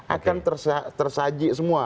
akan tersaji semua